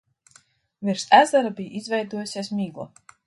Virs ezera bija izveidojusies migla.